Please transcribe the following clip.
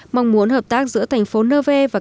mong muốn hợp tác giữa thành phố nevers và các địa phương